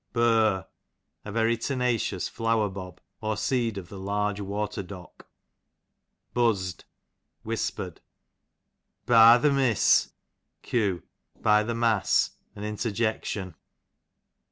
Bur, a very tenacious flowerbob, or seed of the large water dock. Buzz'd, whisper'd. Byth' miss, q. by the mass, an interjection.